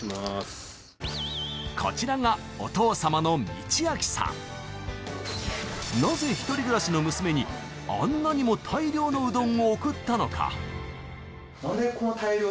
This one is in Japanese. こちらがなぜ１人暮らしの娘にあんなにも大量のうどんを送ったのか？